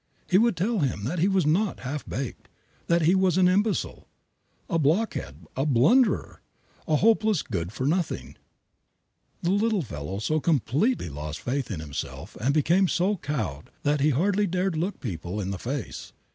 He would tell him that he was not "half baked," that he was "an imbecile," "a blockhead," "a blunderer," "a hopeless good for nothing." The little fellow so completely lost faith in himself and became so cowed that he hardly dared look people in the face.